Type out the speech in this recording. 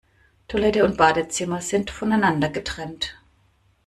Toilette und Badezimmer sind voneinander getrennt.